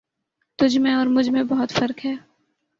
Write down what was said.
تجھ میں اور مجھ میں بہت فرق ہے